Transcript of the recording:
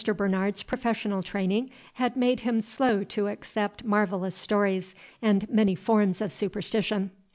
Bernard's professional training had made him slow to accept marvellous stories and many forms of superstition.